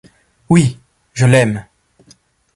Oui ! je l’aime !